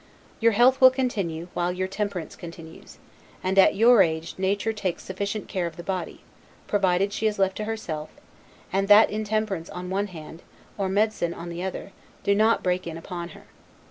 Your health will continue, while your temperance continues; and at your age nature takes sufficient care of the body, provided she is left to herself, and that intemperance on one hand, or medicines on the other, do not break in upon her.